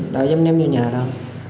đói giấm ném vô nhà rồi